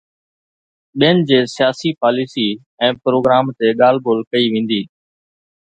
ٻين جي سياسي پاليسي ۽ پروگرام تي ڳالهه ٻولهه ڪئي ويندي.